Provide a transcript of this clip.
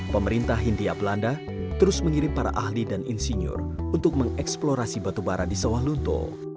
pemerintah hindia belanda terus mengirim para ahli dan insinyur untuk mengeksplorasi batubara di sawah lunto